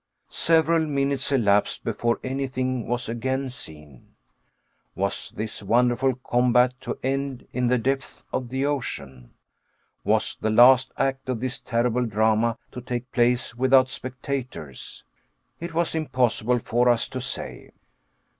Several minutes elapsed before anything was again seen. Was this wonderful combat to end in the depths of the ocean? Was the last act of this terrible drama to take place without spectators? It was impossible for us to say.